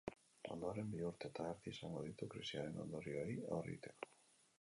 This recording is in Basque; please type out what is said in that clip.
Ondoren, bi urte eta erdi izango ditu krisiaren ondorioei aurre egiteko.